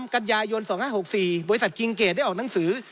กันยายน๒๕๖๔บริษัทคิงเกดได้ออกหนังสือ